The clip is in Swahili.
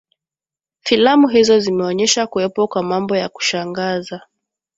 filamu hizo zimeonyesha kuwepo kwa mambo ya kushangaza